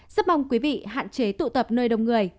rất mong quý vị hạn chế tụ tập nơi đông người